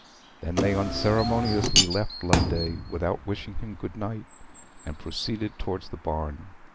They then unceremoniously left Loveday, without wishing him good night, and proceeded towards the barn.